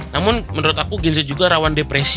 namun menurut aku gen z juga rawan depresi